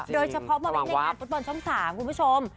โดยเฉพาะว่าในการฟุตบอลช่องสามคุณผู้ชม